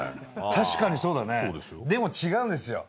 確かにそうだね、でも違うんですよ。